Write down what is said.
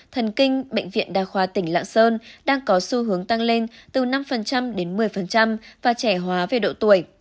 thần kinh bệnh viện đa khoa tỉnh lạng sơn đang có xu hướng tăng lên từ năm đến một mươi và trẻ hóa về độ tuổi